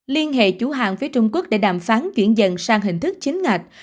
liên hệ chủ hàng phía trung quốc để đàm phán chuyển dần sang hình thức chính ngạch